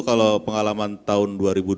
kalau pengalaman tahun dua ribu dua puluh